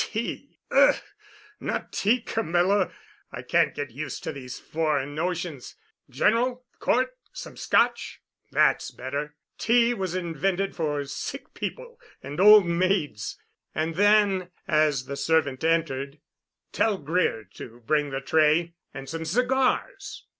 "Tea? Ugh! Not tea, Camilla. I can't get used to these foreign notions. General—Cort—some Scotch? That's better. Tea was invented for sick people and old maids," and then, as the servant entered, "Tell Greer to bring the tray, and some cigars.